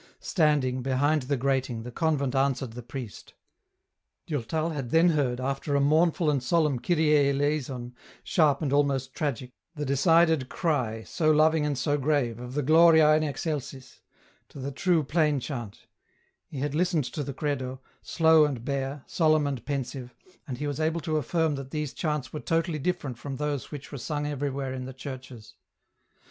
Standing, behind the grating, the convent answered the priest. Durtal had then heard, after a mournful and solemn " Kyrie Eleison," sharp and almost tragic, the decided cry, so loving and so grave, of the " Gloria in Excelsis," to the true plain chant ; he had listened to the Credo, slow and bare, solemn and pensive, and he was able to affirm that these chants were totally different from those which were sung everywhere in the churches.